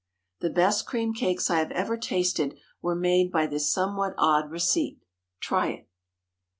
The best cream cakes I have ever tasted were made by this somewhat odd receipt. Try it.